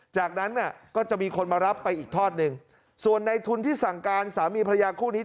จากนั้นก็จะมีคนมารับไปอีกทอดหนึ่งส่วนในทุนที่สั่งการสามีภรรยาคู่นี้